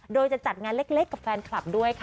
โดยจะจัดงานเล็กกับแฟนคลับด้วยค่ะ